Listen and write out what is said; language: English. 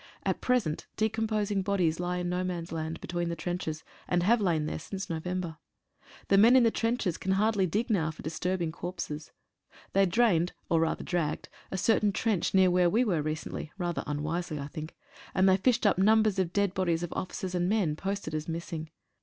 At present decomposing bodies lie in no man's land be tween the trenches, and have lain there since November. The men in the trenches can hardly dig now for disturb ing corpses. They drained, or rather dragged a certain trench near where we were recently (rather unwisely, I think) and they fished up numbers of dead bodies of officers and men posted as missing.